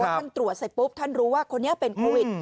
ท่านตรวจเสร็จปุ๊บท่านรู้ว่าคนนี้เป็นโควิด